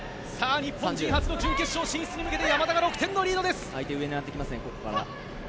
日本人初の準決勝進出に向けて山田が６点のリード。